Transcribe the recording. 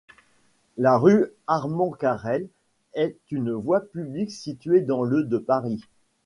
La rue Armand-Carrel est une voie publique située dans le de Paris.